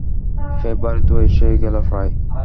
ফেব্রুয়ারি তো এসেই গেল প্রায়।